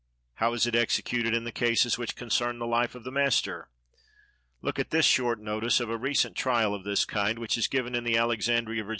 How is it executed in the cases which concern the life of the master? Look at this short notice of a recent trial of this kind, which is given in the Alexandria (Va.)